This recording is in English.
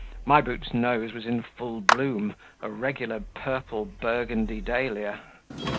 My Boot's nose was in full bloom, a regular purple Burgundy dahlia.